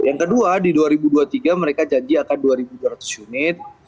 yang kedua di dua ribu dua puluh tiga mereka janji akan dua dua ratus unit